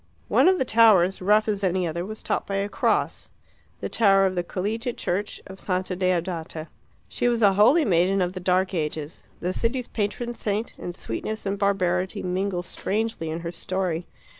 One of the towers, rough as any other, was topped by a cross the tower of the Collegiate Church of Santa Deodata. She was a holy maiden of the Dark Ages, the city's patron saint, and sweetness and barbarity mingle strangely in her story.